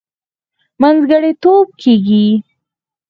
منځګړتوب کېږي.